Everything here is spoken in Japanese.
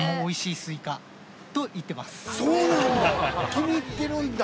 気に入ってるんだ。